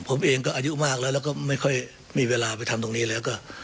ผมเองก็อายุมากแล้วแล้วก็ไม่ค่อยมีเวลาไปทำตรงนี้แล้วก็